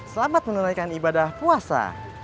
selamat menuliskan ibadah puasa